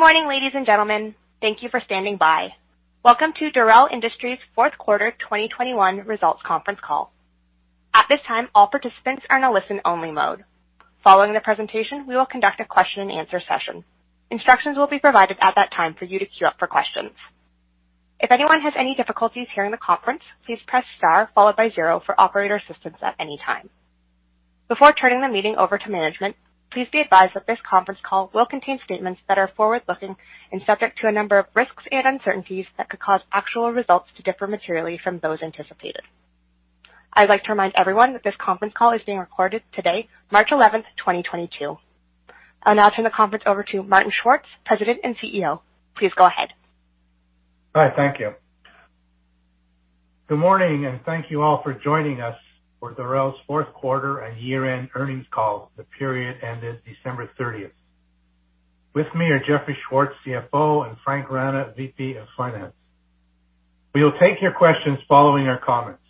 Good morning, ladies and gentlemen. Thank you for standing by. Welcome to Dorel Industries Fourth Quarter 2021 Results Conference Call. At this time, all participants are in a listen-only mode. Following the presentation, we will conduct a question-and-answer session. Instructions will be provided at that time for you to queue up for questions. If anyone has any difficulties hearing the conference, please press star followed by zero for operator assistance at any time. Before turning the meeting over to management, please be advised that this conference call will contain statements that are forward-looking and subject to a number of risks and uncertainties that could cause actual results to differ materially from those anticipated. I'd like to remind everyone that this conference call is being recorded today, March 11, 2022. I'll now turn the conference over to Martin Schwartz, President and CEO. Please go ahead. All right, thank you. Good morning, and thank you all for joining us for Dorel's fourth quarter and year-end earnings call. The period ended December 30. With me are Jeffrey Schwartz, CFO, and Frank Rana, VP of Finance. We will take your questions following our comments.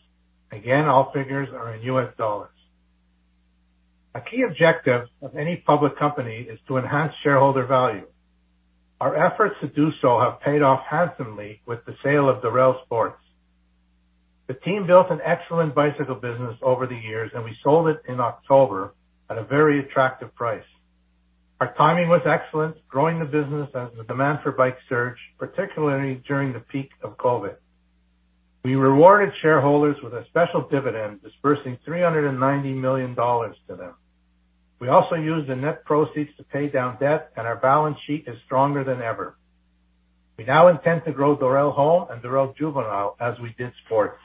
Again, all figures are in U.S. dollars. A key objective of any public company is to enhance shareholder value. Our efforts to do so have paid off handsomely with the sale of Dorel Sports. The team built an excellent bicycle business over the years, and we sold it in October at a very attractive price. Our timing was excellent, growing the business as the demand for bikes surged, particularly during the peak of COVID. We rewarded shareholders with a special dividend, disbursing $390 million to them. We also used the net proceeds to pay down debt, and our balance sheet is stronger than ever. We now intend to grow Dorel Home and Dorel Juvenile as we did Sports.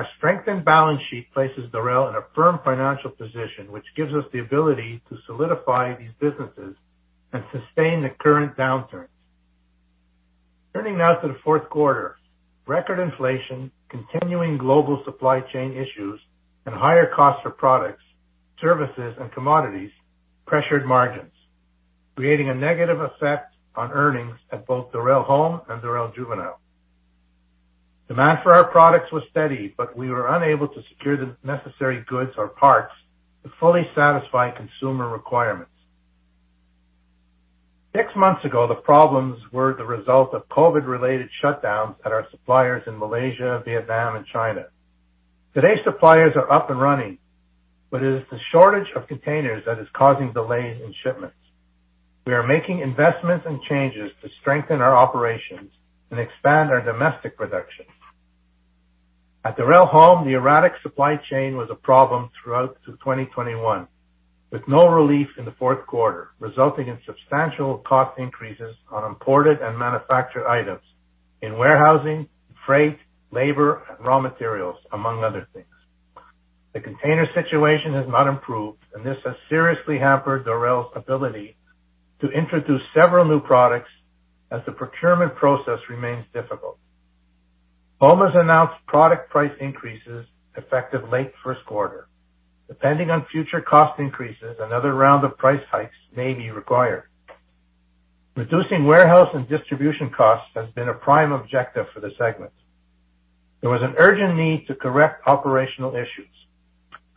Our strengthened balance sheet places Dorel in a firm financial position, which gives us the ability to solidify these businesses and sustain the current downturns. Turning now to the fourth quarter. Record inflation, continuing global supply chain issues, and higher costs for products, services, and commodities pressured margins, creating a negative effect on earnings at both Dorel Home and Dorel Juvenile. Demand for our products was steady, but we were unable to secure the necessary goods or parts to fully satisfy consumer requirements. Six months ago, the problems were the result of COVID-related shutdowns at our suppliers in Malaysia, Vietnam, and China. Today, suppliers are up and running, but it is the shortage of containers that is causing delays in shipments. We are making investments and changes to strengthen our operations and expand our domestic production. At Dorel Home, the erratic supply chain was a problem throughout 2021, with no relief in the fourth quarter, resulting in substantial cost increases on imported and manufactured items in warehousing, freight, labor, and raw materials, among other things. The container situation has not improved, and this has seriously hampered Dorel's ability to introduce several new products as the procurement process remains difficult. Home has announced product price increases effective late first quarter. Depending on future cost increases, another round of price hikes may be required. Reducing warehouse and distribution costs has been a prime objective for the segment. There was an urgent need to correct operational issues.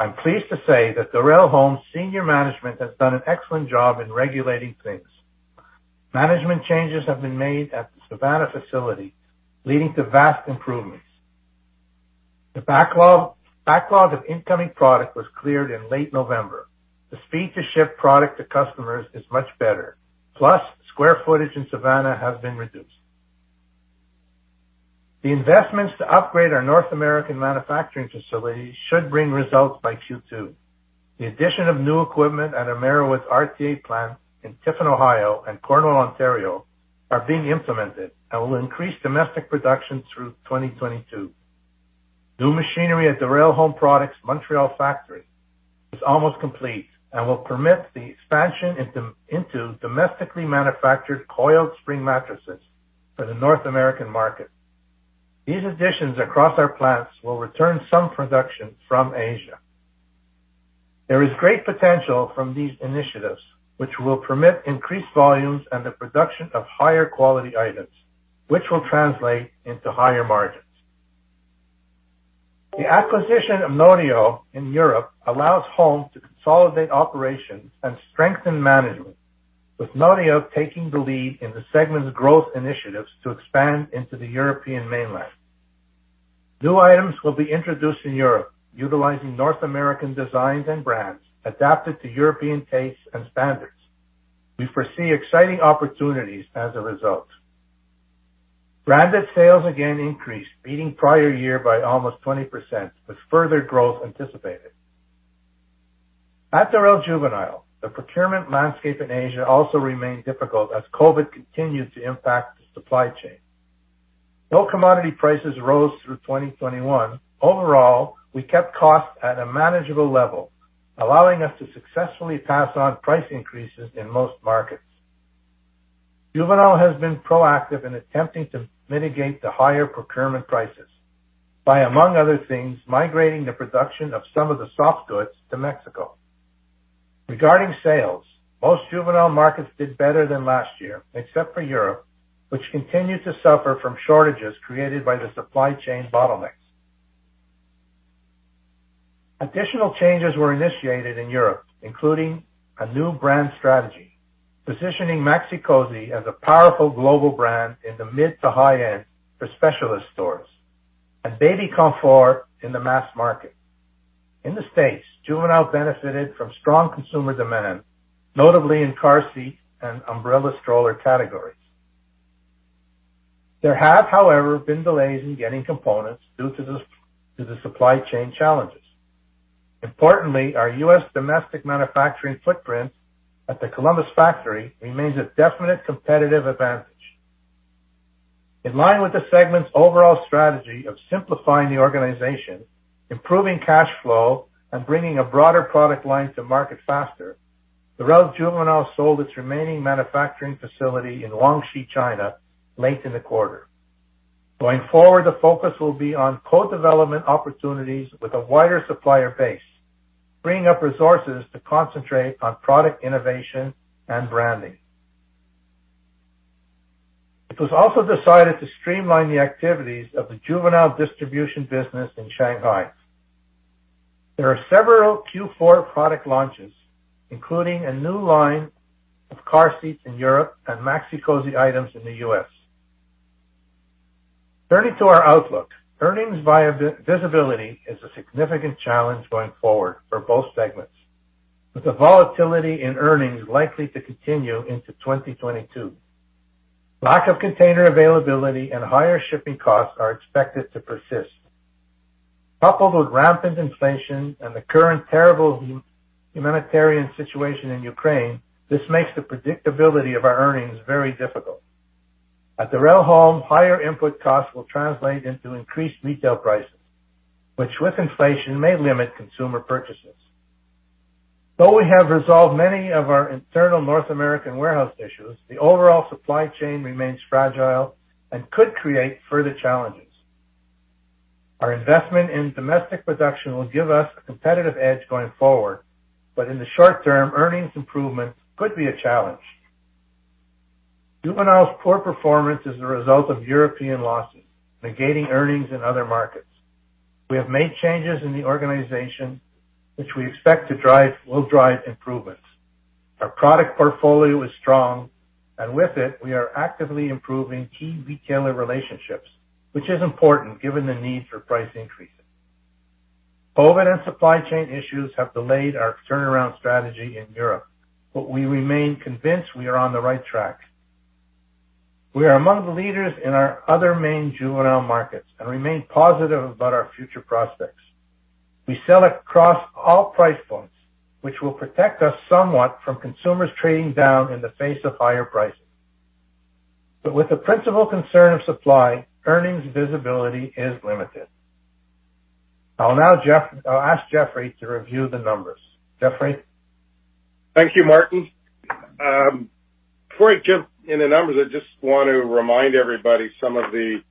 I'm pleased to say that Dorel Home senior management has done an excellent job in regulating things. Management changes have been made at the Savannah facility, leading to vast improvements. The backlog of incoming product was cleared in late November. The speed to ship product to customers is much better. Plus, square footage in Savannah has been reduced. The investments to upgrade our North American manufacturing facilities should bring results by Q2. The addition of new equipment at Ameriwood's RTA plant in Tiffin, Ohio, and Cornwall, Ontario, are being implemented and will increase domestic production through 2022. New machinery at Dorel Home Products' Montreal factory is almost complete and will permit the expansion into domestically manufactured coiled spring mattresses for the North American market. These additions across our plants will return some production from Asia. There is great potential from these initiatives, which will permit increased volumes and the production of higher quality items, which will translate into higher margins. The acquisition of Notio in Europe allows Home to consolidate operations and strengthen management, with Notio taking the lead in the segment's growth initiatives to expand into the European mainland. New items will be introduced in Europe, utilizing North American designs and brands adapted to European tastes and standards. We foresee exciting opportunities as a result. Branded sales again increased, beating prior year by almost 20%, with further growth anticipated. At Dorel Juvenile, the procurement landscape in Asia also remained difficult as COVID continued to impact the supply chain. Though commodity prices rose through 2021, overall, we kept costs at a manageable level, allowing us to successfully pass on price increases in most markets. Juvenile has been proactive in attempting to mitigate the higher procurement prices by, among other things, migrating the production of some of the soft goods to Mexico. Regarding sales, most Juvenile markets did better than last year, except for Europe, which continued to suffer from shortages created by the supply chain bottlenecks. Additional changes were initiated in Europe, including a new brand strategy, positioning Maxi-Cosi as a powerful global brand in the mid to high end for specialist stores, and Bébé Confort in the mass market. In the States, Juvenile benefited from strong consumer demand, notably in car seat and umbrella stroller categories. There have, however, been delays in getting components due to the supply chain challenges. Importantly, our U.S. domestic manufacturing footprint at the Columbus factory remains a definite competitive advantage. In line with the segment's overall strategy of simplifying the organization, improving cash flow, and bringing a broader product line to market faster, Dorel Juvenile sold its remaining manufacturing facility in Huangshi, China late in the quarter. Going forward, the focus will be on co-development opportunities with a wider supplier base, freeing up resources to concentrate on product innovation and branding. It was also decided to streamline the activities of the Juvenile distribution business in Shanghai. There are several Q4 product launches, including a new line of car seats in Europe and Maxi-Cosi items in the U.S. Turning to our outlook. Earnings visibility is a significant challenge going forward for both segments, with the volatility in earnings likely to continue into 2022. Lack of container availability and higher shipping costs are expected to persist. Coupled with rampant inflation and the current terrible humanitarian situation in Ukraine, this makes the predictability of our earnings very difficult. At Dorel Home, higher input costs will translate into increased retail prices, which with inflation may limit consumer purchases. Though we have resolved many of our internal North American warehouse issues, the overall supply chain remains fragile and could create further challenges. Our investment in domestic production will give us a competitive edge going forward, but in the short term, earnings improvements could be a challenge. Juvenile's poor performance is a result of European losses negating earnings in other markets. We have made changes in the organization which will drive improvements. Our product portfolio is strong, and with it, we are actively improving key retailer relationships, which is important given the need for price increases. COVID and supply chain issues have delayed our turnaround strategy in Europe, but we remain convinced we are on the right track. We are among the leaders in our other main Juvenile markets and remain positive about our future prospects. We sell across all price points, which will protect us somewhat from consumers trading down in the face of higher prices. With the principal concern of supply, earnings visibility is limited. I'll ask Jeffrey to review the numbers. Jeffrey? Thank you, Martin. Before I jump in the numbers, I just want to remind everybody some of the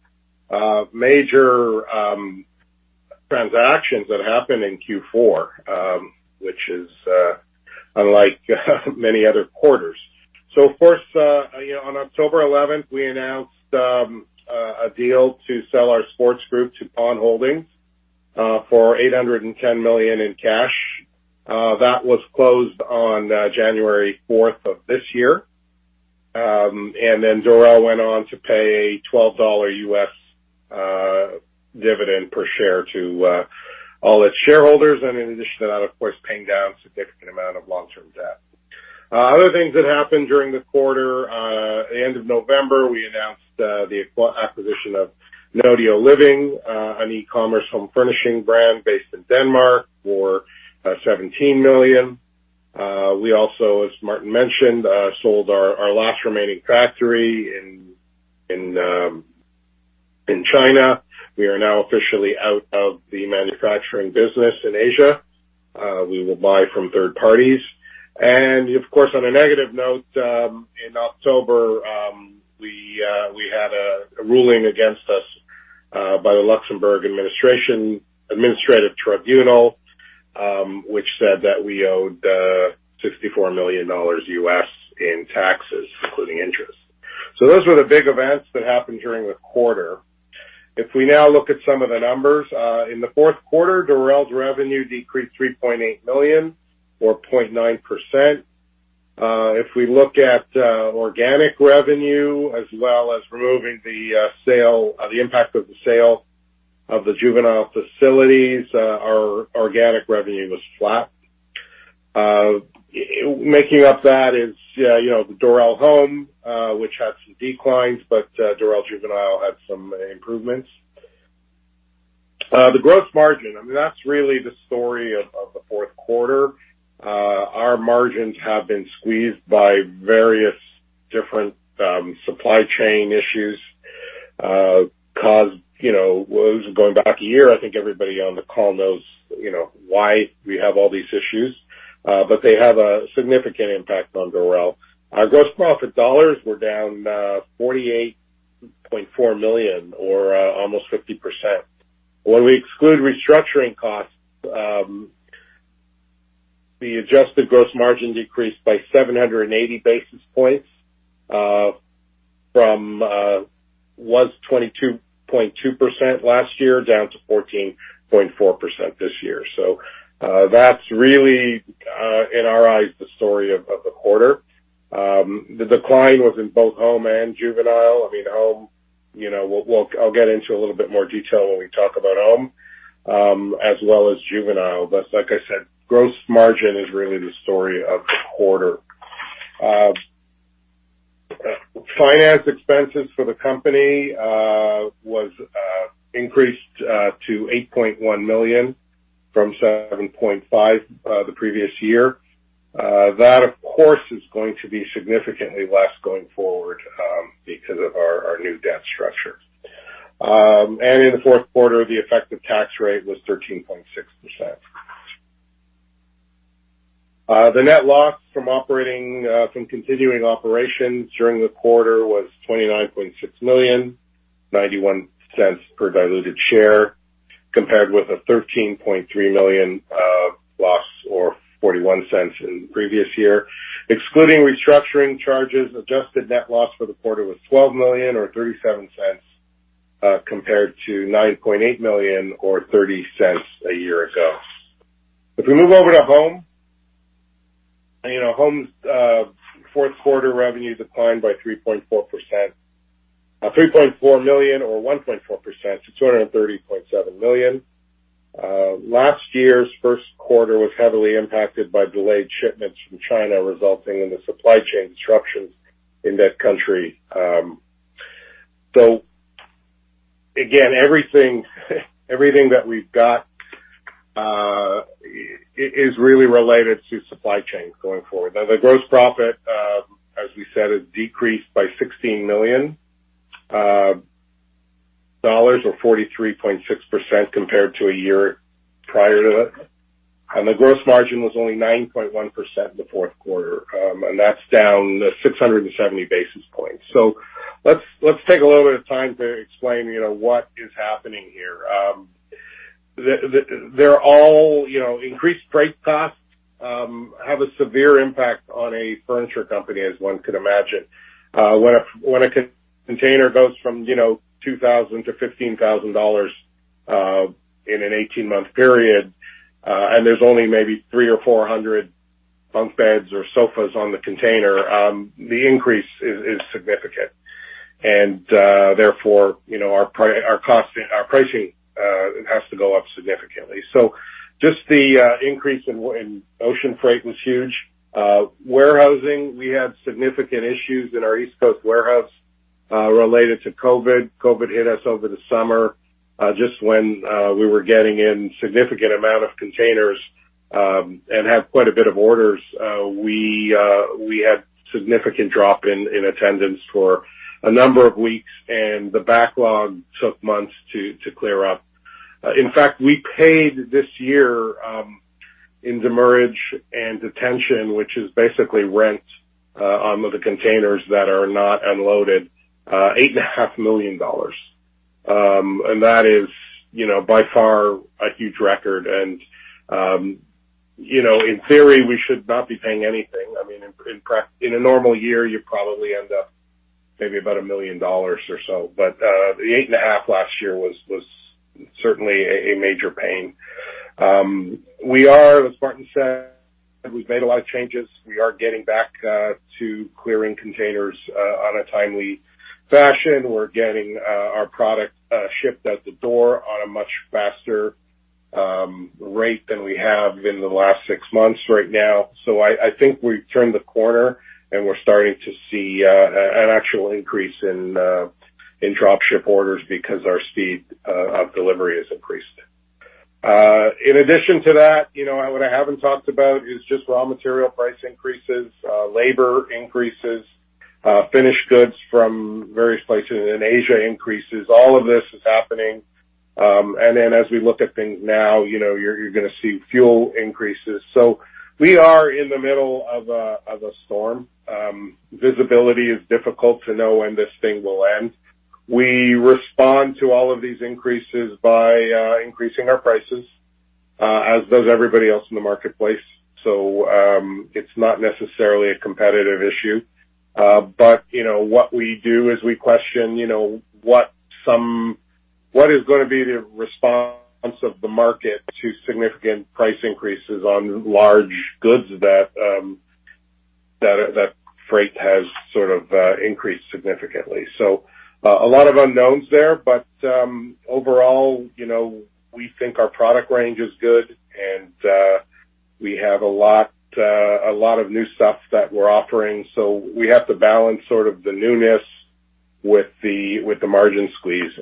major transactions that happened in Q4, which is unlike many other quarters. Of course, you know, on October 11th, we announced a deal to sell our sports group to Pon Holdings for $810 million in cash. That was closed on January fourth of this year. Then Dorel went on to pay $12 U.S. dividend per share to all its shareholders. In addition to that, of course, paying down a significant amount of long-term debt. Other things that happened during the quarter, at the end of November, we announced the acquisition of Notio Living, an e-commerce home furnishing brand based in Denmark for $17 million. We also, as Martin mentioned, sold our last remaining factory in China. We are now officially out of the manufacturing business in Asia. We will buy from third parties. Of course, on a negative note, in October, we had a ruling against us by the Luxembourg Administrative Tribunal, which said that we owed $64 million in taxes, including interest. Those were the big events that happened during the quarter. If we now look at some of the numbers, in the fourth quarter, Dorel's revenue decreased $3.8 million or 0.9%. If we look at organic revenue as well as removing the impact of the sale of the Juvenile facilities, our organic revenue was flat. Making up that is, you know, Dorel Home, which had some declines, but Dorel Juvenile had some improvements. The gross margin, I mean, that's really the story of the fourth quarter. Our margins have been squeezed by various different supply chain issues caused, you know, going back a year. I think everybody on the call knows, you know, why we have all these issues, but they have a significant impact on Dorel. Our gross profit dollars were down $48.4 million or almost 50%. When we exclude restructuring costs, the adjusted gross margin decreased by 780 basis points, was 22.2% last year, down to 14.4% this year. That's really, in our eyes, the story of the quarter. The decline was in both Home and Juvenile. I mean, Home, you know, I'll get into a little bit more detail when we talk about Home, as well as Juvenile. Like I said, gross margin is really the story of the quarter. Financing expenses for the company was increased to $8.1 million from $7.5 million the previous year. That, of course, is going to be significantly less going forward because of our new debt structure. In the fourth quarter, the effective tax rate was 13.6%. The net loss from continuing operations during the quarter was $29.6 million, $0.91 per diluted share, compared with a $13.3 million loss or $0.41 in the previous year. Excluding restructuring charges, adjusted net loss for the quarter was $12 million or $0.37 compared to $9.8 million or $0.30 a year ago. If we move over to home. You know, home's fourth quarter revenues declined by 3.4%. $3.4 million or 1.4% to $230.7 million. Last year's fourth quarter was heavily impacted by delayed shipments from China, resulting from the supply chain disruptions in that country. Again, everything that we've got is really related to supply chains going forward. Now, the gross profit, as we said, has decreased by $16 million or 43.6% compared to a year prior. The gross margin was only 9.1% in the fourth quarter, and that's down 670 basis points. Let's take a little bit of time to explain, you know, what is happening here. Increased freight costs have a severe impact on a furniture company, as one could imagine. When a container goes from, you know, $2,000-$15,000 in an 18-month period, and there's only maybe 300 or 400 bunk beds or sofas on the container, the increase is significant. Therefore, you know, our pricing has to go up significantly. Just the increase in ocean freight was huge. Warehousing, we had significant issues in our East Coast warehouse related to COVID. COVID hit us over the summer, just when we were getting in significant amount of containers, and have quite a bit of orders. We had significant drop in attendance for a number of weeks, and the backlog took months to clear up. In fact, we paid this year in demurrage and detention, which is basically rent on the containers that are not unloaded, $8.5 million. That is, you know, by far a huge record. You know, in theory, we should not be paying anything. I mean, in a normal year, you probably end up maybe about $1 million or so. The $8.5 million last year was certainly a major pain. We are, as Martin said, we've made a lot of changes. We are getting back to clearing containers on a timely fashion. We're getting our product shipped out the door on a much faster rate than we have in the last six months right now. I think we've turned the corner, and we're starting to see an actual increase in drop ship orders because our speed of delivery has increased. In addition to that, you know, what I haven't talked about is just raw material price increases, labor increases, finished goods from various places in Asia increases. All of this is happening. And then as we look at things now, you know, you're gonna see fuel increases. We are in the middle of a storm. Visibility is difficult to know when this thing will end. We respond to all of these increases by increasing our prices as does everybody else in the marketplace. It's not necessarily a competitive issue. You know, what we do is we question, you know, what is gonna be the response of the market to significant price increases on large goods that freight has sort of increased significantly. A lot of unknowns there, but overall, you know, we think our product range is good, and we have a lot of new stuff that we're offering. We have to balance sort of the newness with the margin squeeze.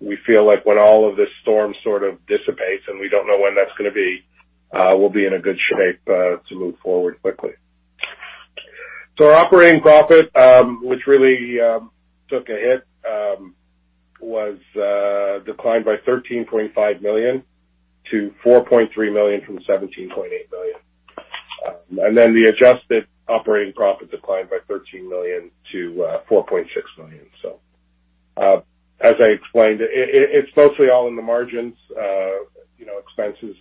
We feel like when all of this storm sort of dissipates, and we don't know when that's gonna be, we'll be in a good shape to move forward quickly. Our operating profit, which really took a hit, declined by $13.5 million to $4.3 million from $17.8 million. The adjusted operating profit declined by $13 million to $4.6 million. As I explained, it's mostly all in the margins. You know, expenses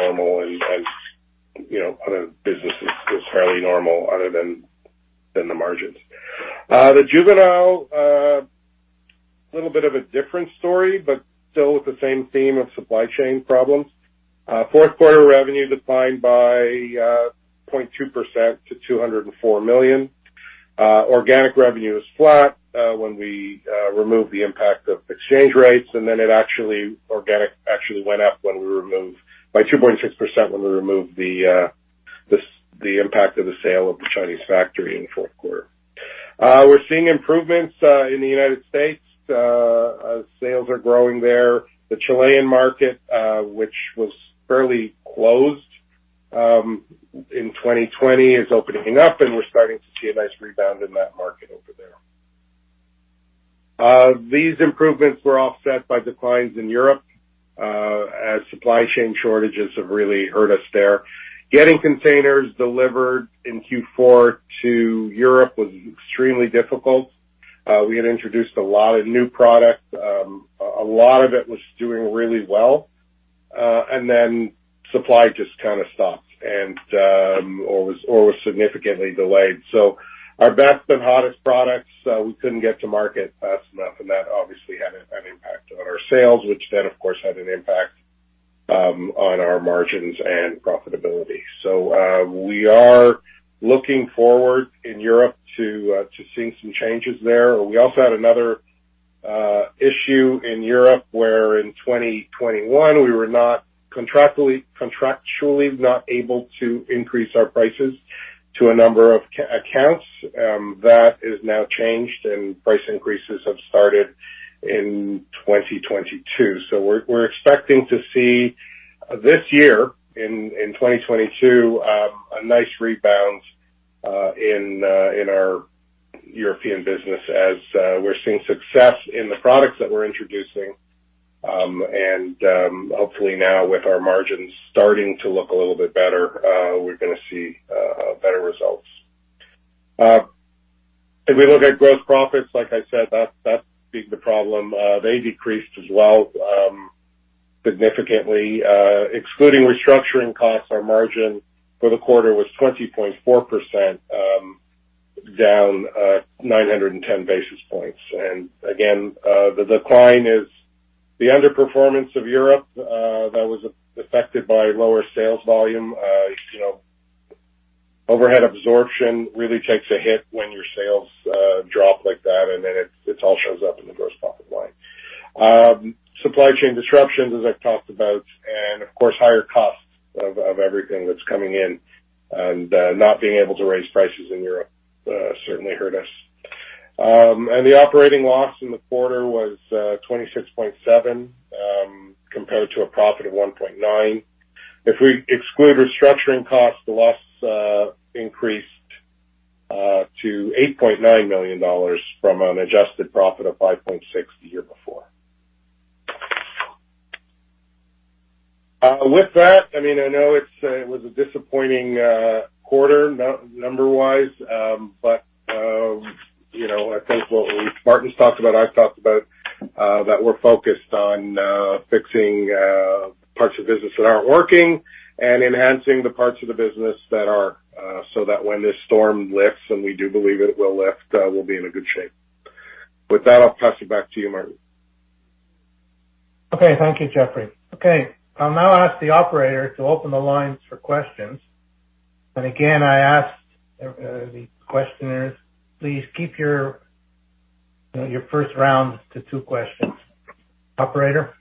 normal and other business is fairly normal other than the margins. The Juvenile little bit of a different story, but still with the same theme of supply chain problems. Fourth quarter revenue declined by 0.2% to $204 million. Organic revenue is flat when we remove the impact of exchange rates, and then it actually went up by 2.6% when we removed the impact of the sale of the Chinese factory in the fourth quarter. We're seeing improvements in the United States. Sales are growing there. The Chilean market, which was fairly closed in 2020, is opening up, and we're starting to see a nice rebound in that market over there. These improvements were offset by declines in Europe as supply chain shortages have really hurt us there. Getting containers delivered in Q4 to Europe was extremely difficult. We had introduced a lot of new product. A lot of it was doing really well, and then supply just kinda stopped or was significantly delayed. Our best and hottest products, we couldn't get to market fast enough, and that obviously had an impact on our sales, which then of course had an impact on our margins and profitability. We are looking forward in Europe to seeing some changes there. We also had another issue in Europe where in 2021 we were not contractually not able to increase our prices to a number of accounts. That is now changed and price increases have started in 2022. We're expecting to see this year in 2022 a nice rebound in our European business as we're seeing success in the products that we're introducing. Hopefully now with our margins starting to look a little bit better, we're gonna see better results. If we look at gross profits, like I said, that's the big problem. They decreased as well, significantly. Excluding restructuring costs, our margin for the quarter was 20.4%, down 910 basis points. Again, the decline is the underperformance of Europe that was affected by lower sales volume. You know, overhead absorption really takes a hit when your sales drop like that, and then it all shows up in the gross profit line. Supply chain disruptions, as I've talked about, and of course, higher costs of everything that's coming in and not being able to raise prices in Europe certainly hurt us. The operating loss in the quarter was $26.7 million compared to a profit of $1.9 million. If we exclude restructuring costs, the loss increased to $8.9 million from an adjusted profit of $5.6 million the year before. With that, I mean, I know it was a disappointing quarter numbers wise. You know, I think what Martin's talked about, I've talked about, that we're focused on fixing parts of business that aren't working and enhancing the parts of the business that are, so that when this storm lifts, and we do believe it will lift, we'll be in a good shape. With that, I'll pass it back to you, Martin. Okay. Thank you, Jeffrey. Okay, I'll now ask the operator to open the lines for questions. Again, I ask the questioners, please keep your, you know, your first round to two questions. Operator?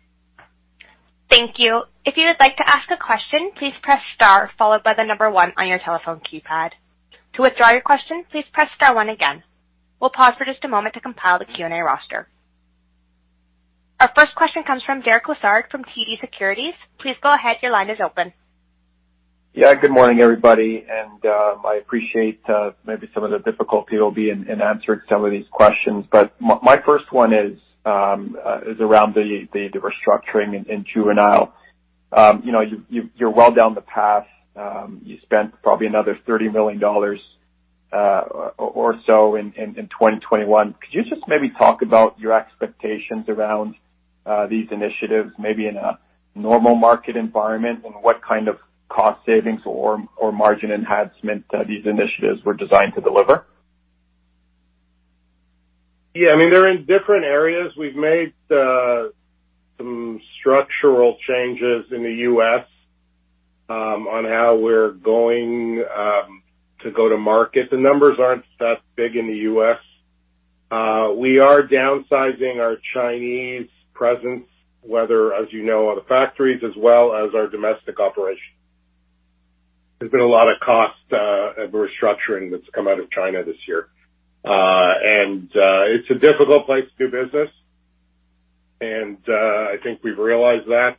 Our first question comes from Derek Lessard from TD Securities. Please go ahead. Your line is open. Yeah. Good morning, everybody, and I appreciate maybe some of the difficulty will be in answering some of these questions. My first one is around the restructuring in Juvenile. You know, you're well down the path. You spent probably another $30 million or so in 2021. Could you just maybe talk about your expectations around these initiatives, maybe in a normal market environment, and what kind of cost savings or margin enhancement these initiatives were designed to deliver? Yeah. I mean, they're in different areas. We've made some structural changes in the U.S. on how we're going to go to market. The numbers aren't that big in the U.S. We are downsizing our Chinese presence, whether, as you know, on the factories as well as our domestic operation. There's been a lot of cost restructuring that's come out of China this year. It's a difficult place to do business, and I think we've realized that.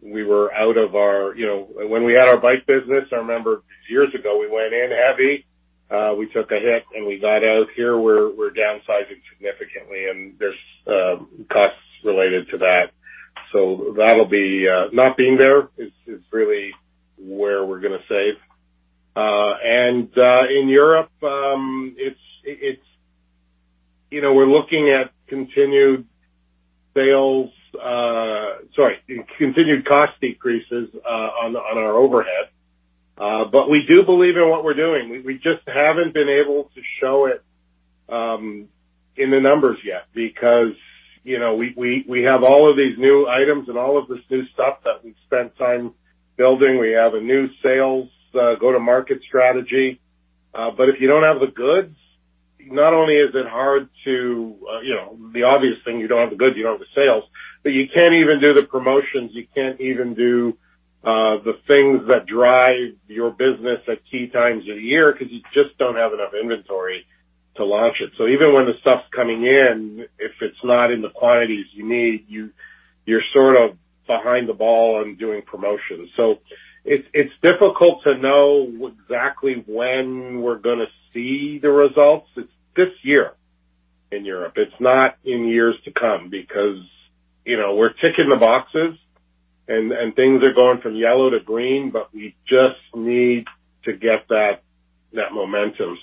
We were out of our. You know, when we had our bike business, I remember years ago we went in heavy, we took a hit, and we got out. Here, we're downsizing significantly, and there's costs related to that. That'll be. Not being there is really where we're gonna save. In Europe, it's. You know, we're looking at continued cost decreases, on our overhead. We do believe in what we're doing. We just haven't been able to show it in the numbers yet because, you know, we have all of these new items and all of this new stuff that we've spent time building. We have a new sales go-to-market strategy. But if you don't have the goods, not only is it hard to, you know, the obvious thing, you don't have the goods, you don't have the sales, but you can't even do the promotions. You can't even do the things that drive your business at key times of the year because you just don't have enough inventory to launch it. Even when the stuff's coming in, if it's not in the quantities you need, you're sort of behind the ball on doing promotions. It's difficult to know exactly when we're gonna see the results. It's this year in Europe. It's not in years to come because, you know, we're ticking the boxes and things are going from yellow to green, but we just need to get that momentum.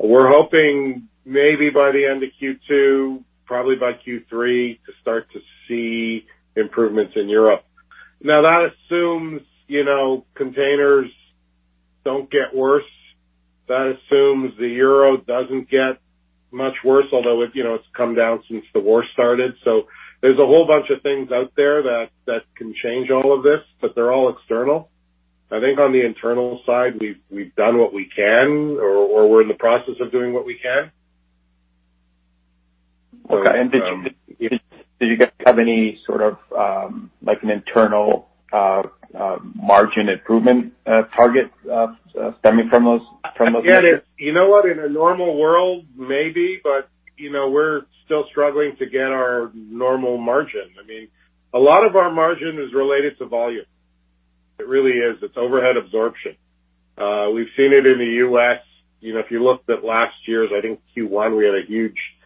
We're hoping maybe by the end of Q2, probably by Q3, to start to see improvements in Europe. Now, that assumes, you know, containers don't get worse. That assumes the euro doesn't get much worse, although it, you know, it's come down since the war started. There's a whole bunch of things out there that can change all of this, but they're all external. I think on the internal side, we've done what we can or we're in the process of doing what we can. Okay. Did you guys have any sort of, like an internal margin improvement target stemming from those initiatives? Again, you know what? In a normal world, maybe, but, you know, we're still struggling to get our normal margin. I mean, a lot of our margin is related to volume. It really is. It's overhead absorption. We've seen it in the U.S. You know, if you looked at last year's, I think Q1, we had a huge. Well,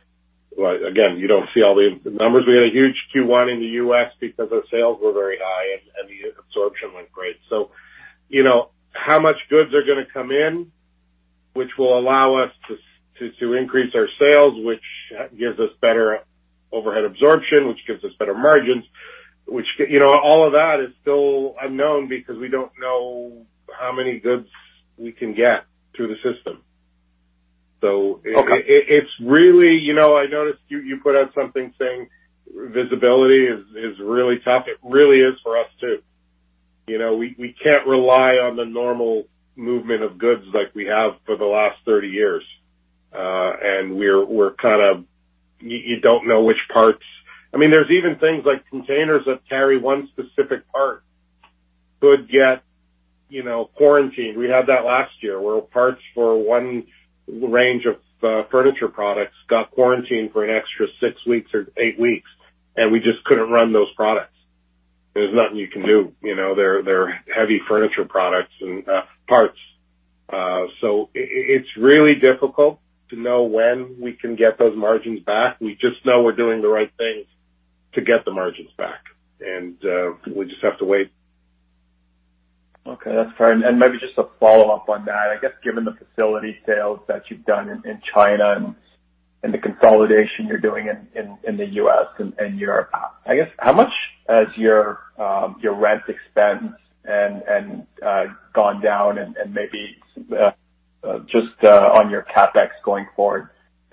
again, you don't see all the numbers. We had a huge Q1 in the U.S. because our sales were very high and the absorption went great. So, you know, how much goods are gonna come in, which will allow us to increase our sales, which gives us better overhead absorption, which gives us better margins, which, you know, all of that is still unknown because we don't know how many goods, we can get through the system. Okay. It's really. You know, I noticed you put out something saying visibility is really tough. It really is for us, too. You know, we can't rely on the normal movement of goods like we have for the last 30 years. We don't know which parts. I mean, there's even things like containers that carry one specific part could get, you know, quarantined. We had that last year, where parts for one range of furniture products got quarantined for an extra six weeks or eight weeks, and we just couldn't run those products. There's nothing you can do. You know, they're heavy furniture products and parts. It's really difficult to know when we can get those margins back. We just know we're doing the right things to get the margins back, and we just have to wait. Okay. That's fine. Maybe just a follow-up on that. I guess, given the facility sales that you've done in China and the consolidation you're doing in the U.S. and Europe, I guess, how much has your rent expense gone down? Maybe just on your CapEx going forward,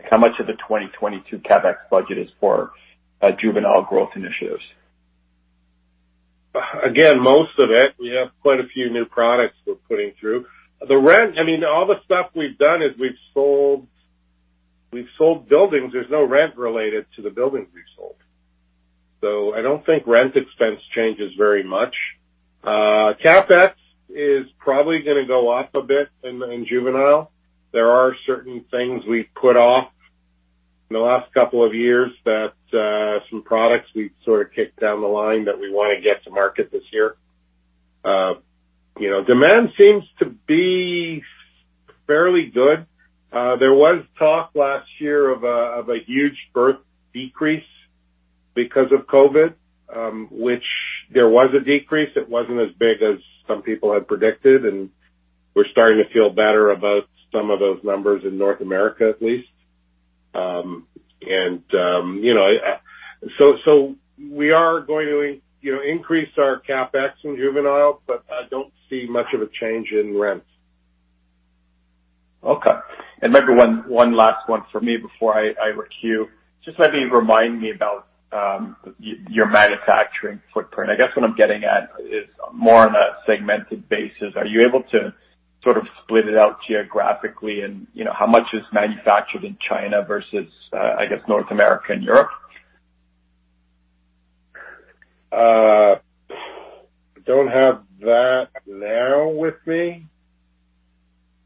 how much of the 2022 CapEx budget is for juvenile growth initiatives? Again, most of it. We have quite a few new products we're putting through. The rent, I mean, all the stuff we've done is we've sold buildings. There's no rent related to the buildings we've sold. So, I don't think rent expense changes very much. CapEx is probably gonna go up a bit in Juvenile. There are certain things we've put off in the last couple of years that some products we've sort of kicked down the line that we wanna get to market this year. You know, demand seems to be fairly good. There was talk last year of a huge birth decrease because of COVID, which there was a decrease. It wasn't as big as some people had predicted, and we're starting to feel better about some of those numbers in North America, at least. We are going to increase our CapEx in juvenile, but I don't see much of a change in rent. Okay. Maybe one last one for me before I queue. Just maybe remind me about your manufacturing footprint. I guess what I'm getting at is more on a segmented basis. Are you able to sort of split it out geographically and, you know, how much is manufactured in China versus I guess North America and Europe? I don't have that now with me.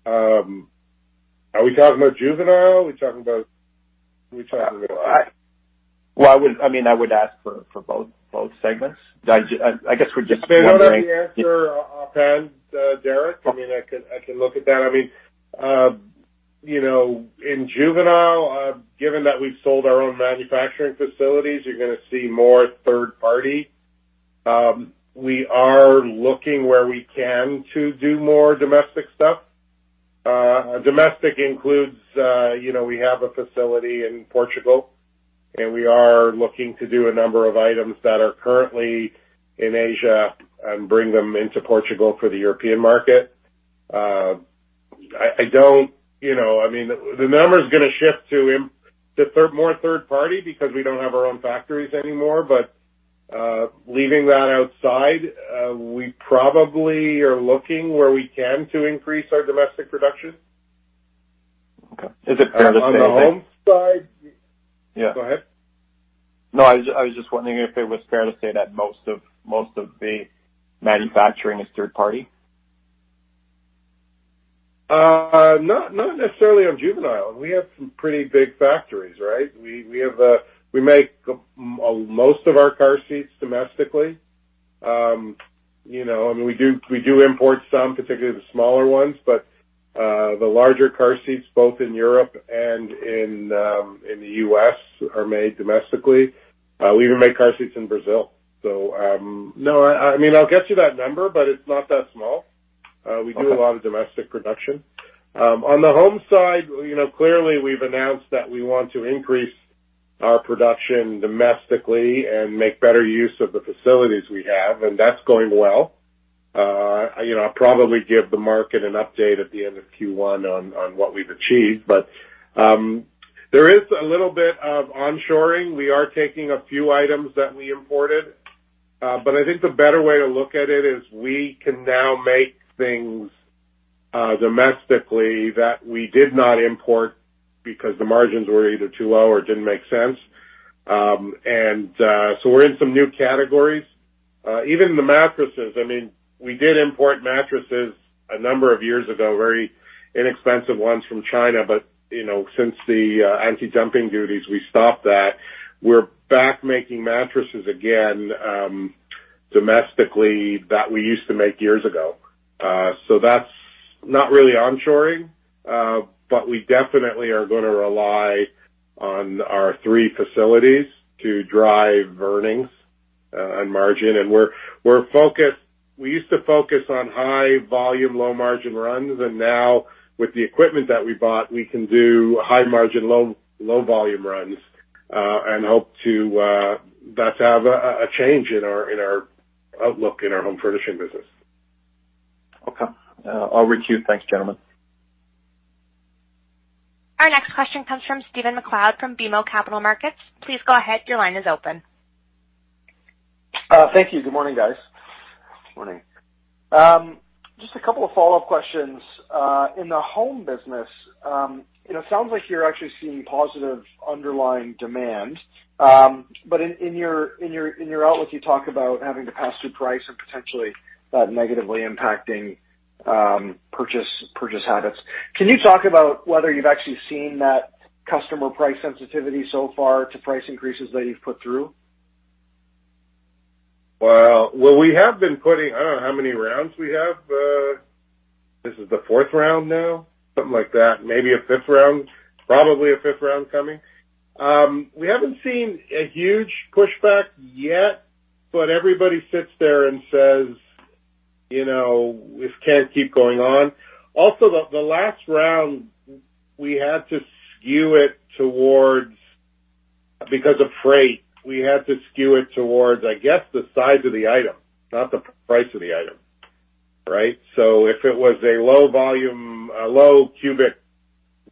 Are we talking about juvenile? What are we talking about? Well, I mean, I would ask for both segments. I guess we're just wondering- I don't have the answer offhand, Derek. I mean, I can look at that. I mean, you know, in juvenile, given that we've sold our own manufacturing facilities, you're gonna see more third-party, we are looking where we can to do more domestic stuff, domestic includes, you know, we have a facility in Portugal, and we are looking to do a number of items that are currently in Asia and bring them into Portugal for the European market. I don't know, you know. I mean, the number's gonna shift to more third-party because we don't have our own factories anymore. Leaving that outside, we probably are looking where we can to increase our domestic production. Okay. Is it fair to say? On the home side. Yeah. Go ahead. No, I was just wondering if it was fair to say that most of the manufacturing is third party? Not necessarily on Juvenile. We have some pretty big factories, right? We have, we make most of our car seats domestically. You know, I mean, we do import some, particularly the smaller ones, but the larger car seats, both in Europe and in the U.S. are made domestically. We even make car seats in Brazil. No, I mean, I'll get you that number, but it's not that small. We do a lot of domestic production. On the home side, you know, clearly, we've announced that we want to increase our production domestically and make better use of the facilities we have, and that's going well. You know, I'll probably give the market an update at the end of Q1 on what we've achieved. There is a little bit of onshoring. We are taking a few items that we imported. I think the better way to look at it is we can now make things domestically that we did not import because the margins were either too low or didn't make sense. We're in some new categories. Even the mattresses, I mean, we did import mattresses a number of years ago, very inexpensive ones from China. You know, since the anti-dumping duties, we stopped that. We're back making mattresses again domestically that we used to make years ago. That's not really onshoring, but we definitely are gonna rely on our three facilities to drive earnings and margin. We're focused. We used to focus on high volume, low margin runs, and now with the equipment that we bought, we can do high margin, low volume runs and hope to have a change in our outlook in our home furnishing business. Okay. Over to you. Thanks, gentlemen. Our next question comes from Stephen MacLeod from BMO Capital Markets. Please go ahead. Your line is open. Thank you. Good morning, guys. Morning. Just a couple of follow-up questions. In the home business, you know, it sounds like you're actually seeing positive underlying demand. In your outlook, you talk about having to pass through price and potentially that negatively impacting purchase habits. Can you talk about whether you've actually seen that customer price sensitivity so far to price increases that you've put through? We have been putting I don't know how many rounds we have. This is the fourth round now, something like that. Maybe a fifth round. Probably a fifth round coming. We haven't seen a huge pushback yet, but everybody sits there and says, "You know, this can't keep going on." Also, the last round we had to skew it towards, because of freight, I guess, the size of the item, not the price of the item, right? So, if it was a low volume, a low cubic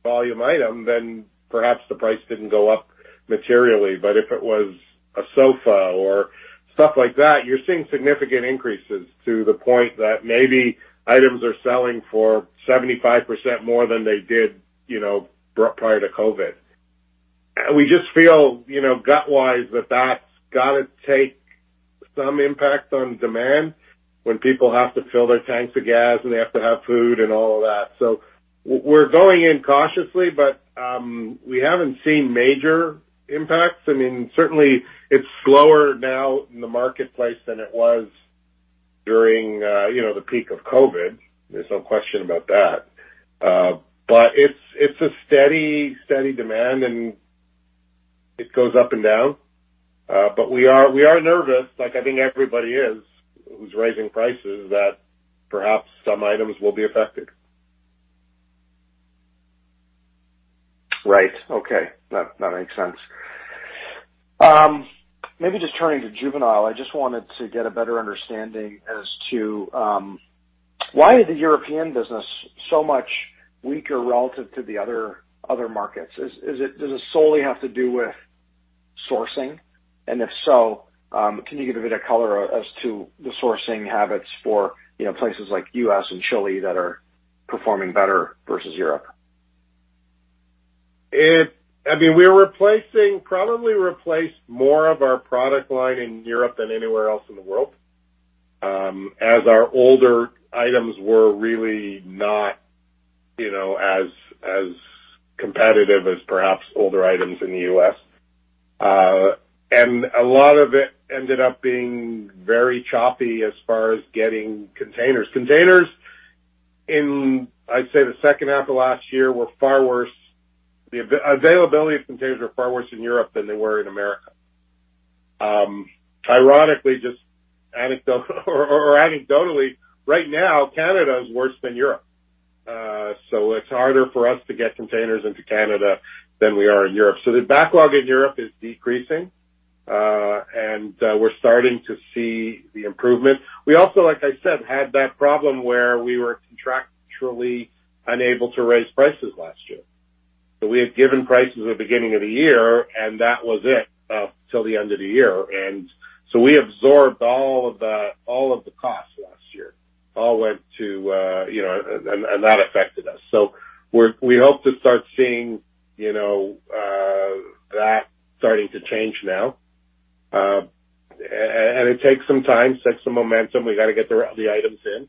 volume item, then perhaps the price didn't go up materially. But if it was a sofa or stuff like that, you're seeing significant increases to the point that maybe items are selling for 75% more than they did, you know, prior to COVID. We just feel, you know, gut-wise that that's gotta take some impact on demand when people have to fill their tanks of gas and they have to have food and all of that. We're going in cautiously, but we haven't seen major impacts. I mean, certainly it's slower now in the marketplace than it was during, you know, the peak of COVID. There's no question about that. It's a steady demand, and it goes up and down. We are nervous like I think everybody is who's raising prices, that perhaps some items will be affected. Right. Okay. That makes sense. Maybe just turning to Juvenile, I just wanted to get a better understanding as to why is the European business so much weaker relative to the other markets? Does it solely have to do with sourcing? If so, can you give a bit of color as to the sourcing habits for, you know, places like U.S. and Chile that are performing better versus Europe? I mean, we probably replaced more of our product line in Europe than anywhere else in the world, as our older items were really not, you know, as competitive as perhaps older items in the U.S. A lot of it ended up being very choppy as far as getting containers in, I'd say, the second half of last year were far worse. The availability of containers were far worse in Europe than they were in America. Ironically, just anecdotally, right now, Canada is worse than Europe. It's harder for us to get containers into Canada than we are in Europe. The backlog in Europe is decreasing, and we're starting to see the improvement. We also, like I said, had that problem where we were contractually unable to raise prices last year. We had given prices at the beginning of the year, and that was it, till the end of the year. We absorbed all of the costs last year, all went to, you know, and that affected us. We hope to start seeing, you know, that starting to change now. And it takes some time, takes some momentum. We gotta get the items in.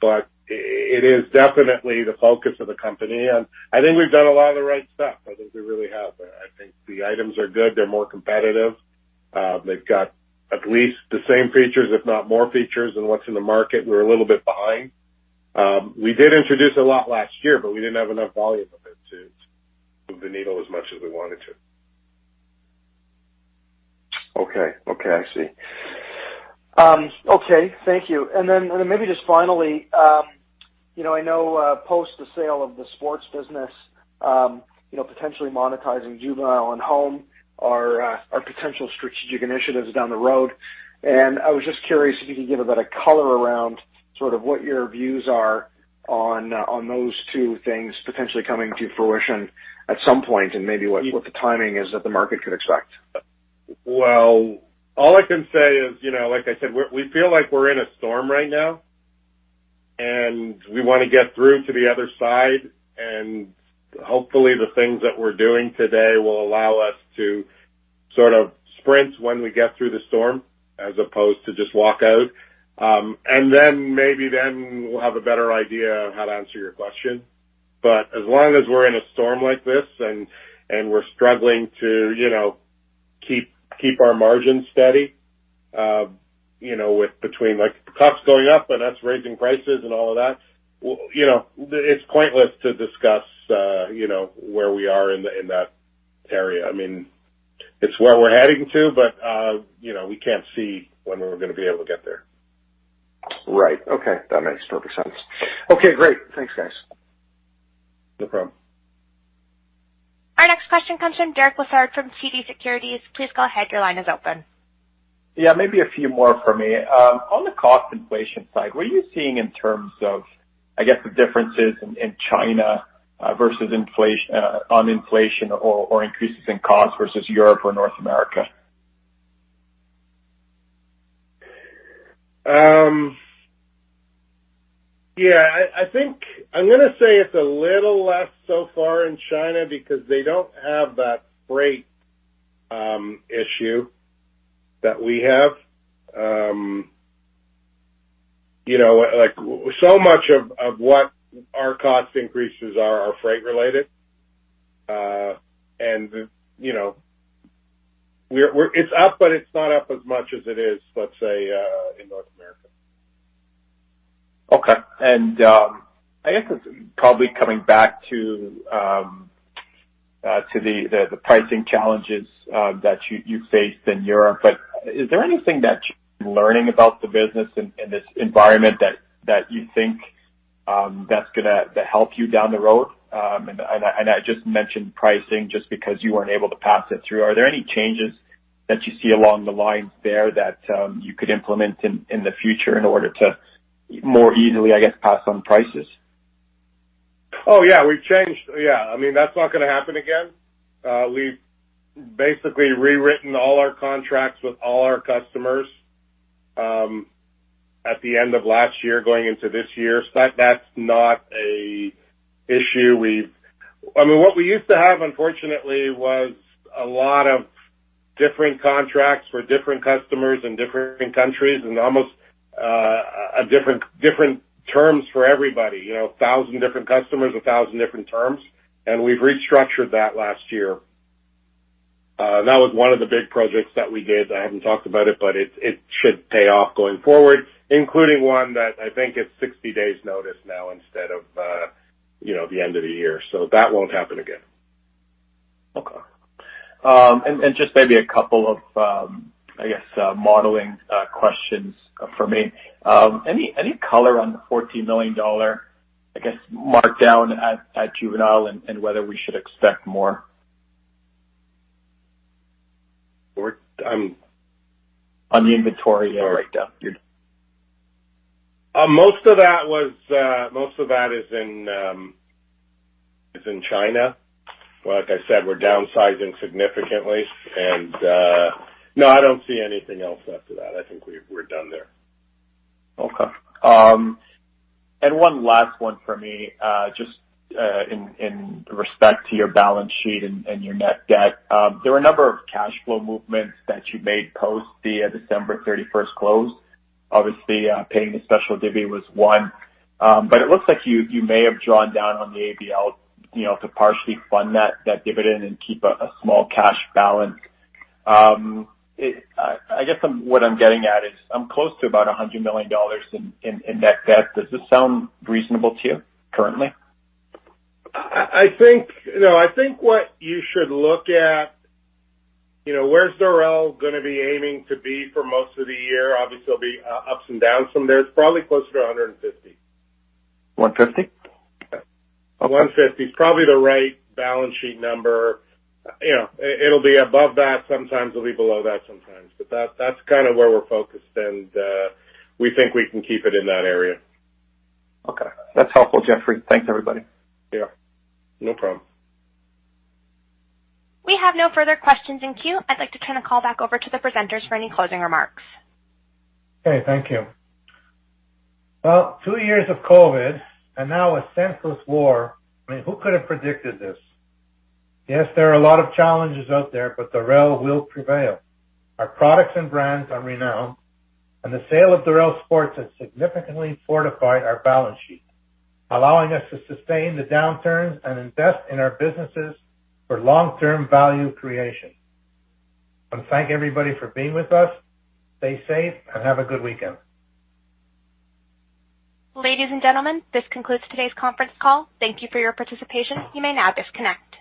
But it is definitely the focus of the company. I think we've done a lot of the right stuff. I think we really have. I think the items are good. They're more competitive. They've got at least the same features, if not more features than what's in the market. We're a little bit behind. We did introduce a lot last year, but we didn't have enough volume of it to move the needle as much as we wanted to. Okay. Okay, I see. Okay. Thank you. Then maybe just finally, you know, I know, post the sale of the sports business, you know, potentially monetizing Juvenile and Home are potential strategic initiatives down the road. I was just curious if you could give a bit of color around sort of what your views are on those two things potentially coming to fruition at some point, and maybe what the timing is that the market could expect. All I can say is, you know, like I said, we're in a storm right now, and we wanna get through to the other side. Hopefully the things that we're doing today will allow us to sort of sprint when we get through the storm as opposed to just walk out. Then maybe we'll have a better idea of how to answer your question. As long as we're in a storm like this and we're struggling to, you know, keep our margins steady, you know, with between like costs going up and us raising prices and all of that. You know, it's pointless to discuss, you know, where we are in that area. I mean, it's where we're heading to, but, you know, we can't see when we're gonna be able to get there. Right. Okay. That makes total sense. Okay, great. Thanks, guys. No problem. Our next question comes from Derek Lessard from TD Securities. Please go ahead. Your line is open. Yeah, maybe a few more for me. On the cost inflation side, what are you seeing in terms of, I guess, the differences in China versus inflation or increases in cost versus Europe or North America? I think I'm gonna say it's a little less so far in China because they don't have that freight issue that we have. You know, like so much of what our cost increases are freight related. It's up, but it's not up as much as it is, let's say, in North America. Okay. I guess it's probably coming back to the pricing challenges that you faced in Europe, but is there anything that you're learning about the business in this environment that you think that's gonna help you down the road? I just mentioned pricing just because you weren't able to pass it through. Are there any changes that you see along the lines there that you could implement in the future in order to more easily, I guess, pass on prices? Oh, yeah, we've changed. I mean, that's not gonna happen again. We've basically rewritten all our contracts with all our customers at the end of last year going into this year. That's not an issue. I mean, what we used to have, unfortunately, was a lot of different contracts for different customers in different countries and almost a different terms for everybody. You know, a thousand different customers, a thousand different terms. We've restructured that last year. That was one of the big projects that we did. I haven't talked about it, but it should pay off going forward, including one that I think it's 60 days notice now instead of, you know, the end of the year. That won't happen again. Okay. Just maybe a couple of, I guess, modeling questions from me. Any color on the $14 million, I guess, markdown at Juvenile and whether we should expect more? We're, um- On the inventory write-down. Most of that is in China. Like I said, we're downsizing significantly. No, I don't see anything else after that. I think we're done there. Okay. One last one for me, just in respect to your balance sheet and your net debt. There were a number of cash flow movements that you made post the December 31 close. Obviously, paying the special dividend was one. It looks like you may have drawn down on the ABL, you know, to partially fund that dividend and keep a small cash balance. I guess what I'm getting at is I'm close to about $100 million in net debt. Does this sound reasonable to you currently? I think what you should look at, you know, where's Dorel gonna be aiming to be for most of the year? Obviously, there'll be ups and downs from there. It's probably closer to 150. 150? 150 is probably the right balance sheet number. You know, it'll be above that sometimes, it'll be below that sometimes. That, that's kinda where we're focused, and we think we can keep it in that area. Okay. That's helpful, Jeffrey. Thanks, everybody. Yeah. No problem. We have no further questions in queue. I'd like to turn the call back over to the presenters for any closing remarks. Okay. Thank you. Well, two years of COVID and now a senseless war. I mean, who could have predicted this? Yes, there are a lot of challenges out there, but Dorel will prevail. Our products and brands are renowned, and the sale of Dorel Sports has significantly fortified our balance sheet, allowing us to sustain the downturns and invest in our businesses for long-term value creation. I wanna thank everybody for being with us. Stay safe and have a good weekend. Ladies and gentlemen, this concludes today's conference call. Thank you for your participation. You may now disconnect.